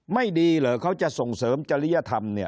ไม่ดีเหรอเขาจะส่งเสริมจริยธรรมเนี่ย